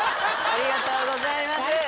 ありがとうございます